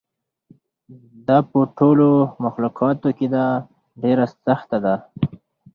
دا په ټولو مخلوقاتو ده ډېره سخته ده.